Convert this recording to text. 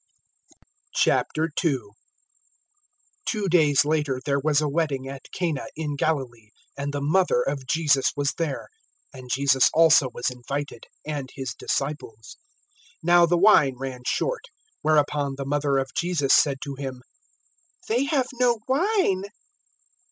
002:001 Two days later there was a wedding at Cana in Galilee, and the mother of Jesus was there, 002:002 and Jesus also was invited and His disciples. 002:003 Now the wine ran short; whereupon the mother of Jesus said to Him, "They have no wine."